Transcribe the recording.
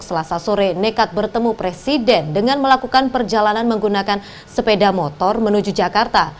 selasa sore nekat bertemu presiden dengan melakukan perjalanan menggunakan sepeda motor menuju jakarta